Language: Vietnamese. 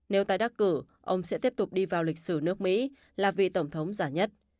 nếu tái đắc cử ông sẽ tiếp tục đi vào lịch sử nước mỹ là vị tổng thống giả nhất